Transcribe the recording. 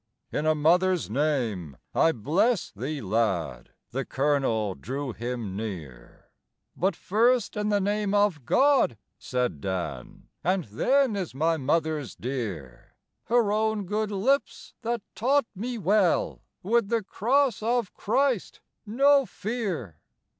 "In a mother's name, I bless thee, lad," The Colonel drew him near: "But first in the name of God," said Dan, "And then is my mother's dear Her own good lips that taught me well, With the Cross of Christ no fear."